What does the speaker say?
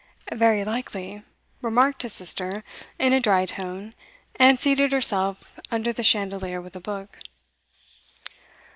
'Very likely,' remarked his sister in a dry tone, and seated herself under the chandelier with a book.